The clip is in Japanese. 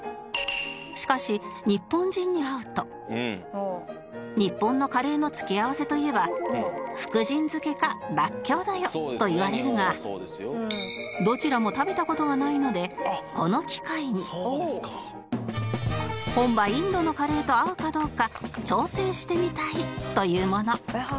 しかし日本のカレーの付け合わせといえば福神漬けからっきょうだよと言われるがどちらも食べた事がないのでこの機会に本場インドのカレーと合うかどうか挑戦してみたいというもの